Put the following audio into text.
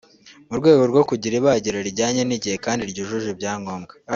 mu rwego rwo kugira ibagiro rijyanye n’igihe kandi ryujuje ibyangombwa